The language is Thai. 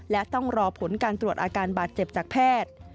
และต้องรอผลการตรวจอาการบาดเจ็บจากแพทย์